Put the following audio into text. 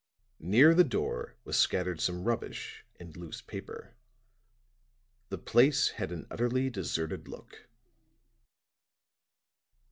Near the door was scattered some rubbish and loose paper. The place had an utterly deserted look.